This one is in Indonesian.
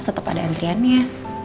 tetap ada antriannya